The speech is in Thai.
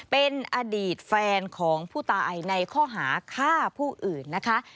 เป็นอดีตแฟนของผู้ตายในข้อหาฆ่าผู้อื่นนะคะ